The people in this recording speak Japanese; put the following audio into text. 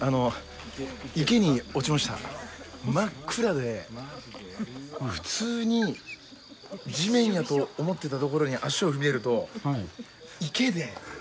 池に落ちました、真っ暗で普通に地面だと思っていたところに足を踏み入れると、池で。